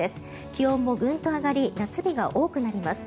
気温もグンと上がり夏日が多くなります。